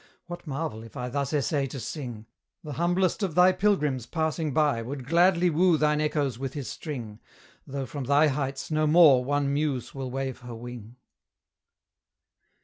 What marvel if I thus essay to sing? The humblest of thy pilgrims passing by Would gladly woo thine echoes with his string, Though from thy heights no more one muse will wave her wing.